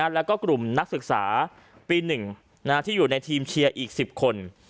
แล้วก็กลุ่มนักศึกษาปี๑ที่อยู่ในทีมเชียร์อีก๑๐คน